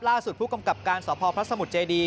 ล่าสุดผู้กำกับการสพพระสมุทรเจดี